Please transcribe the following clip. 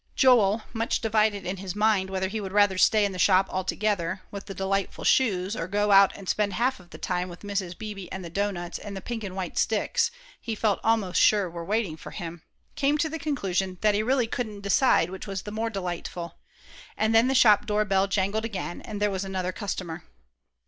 Joel, much divided in his mind whether he would rather stay in the shop altogether, with the delightful shoes, or go out and spend half of the time with Mrs. Beebe and the doughnuts and pink and white sticks he felt almost sure were waiting for him, came to the conclusion that he really couldn't decide which was the more delightful; and then the shop door bell jangled again, and there was another customer.